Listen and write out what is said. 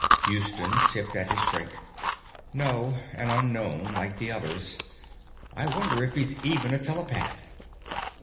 _ Houston sipped at his drink. _No. An unknown, like the others. I wonder if he's even a telepath.